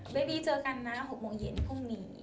เบบีเจอกันนะ๖โมงเย็นพรุ่งนี้